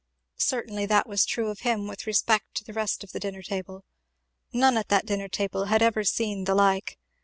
Certainly that was true of him with respect to the rest of the dinner table. None at that dinner table had ever seen the like.